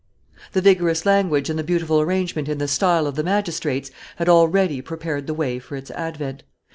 The vigorous language and the beautiful arrangement in the style of the magistrates had already prepared the way for its advent.